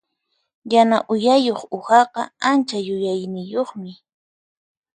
Yana uyayuq uhaqa ancha yuyayniyuqmi.